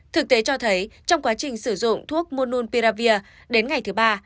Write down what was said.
thực tế cho thấy trong quá trình sử dụng thuốc monopiravir đến ngày thứ ba